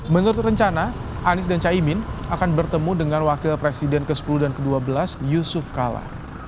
menurut rencana anies dan caimin akan bertemu dengan wakil presiden ke sepuluh dan ke dua belas yusuf kala